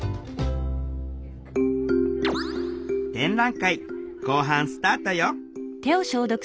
展覧会後半スタートよ！